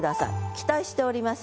期待しております。